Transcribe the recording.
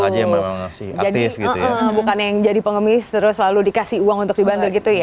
jadi bukan yang jadi pengemis terus lalu dikasih uang untuk dibantu gitu ya